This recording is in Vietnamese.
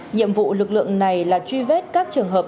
nhiệm vụ lực lượng này là truy vết các trường hợp